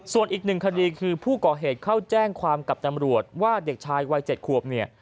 ส่วนอีกหนึ่งคดีคือผู้ก่อเหตุเข้าแจ้งความกับตำรวจว่าเด็กชายวัย๗ขวบเนี่ย